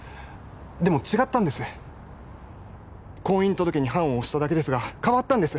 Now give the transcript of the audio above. でも違ったんです婚姻届に判を捺しただけですが変わったんです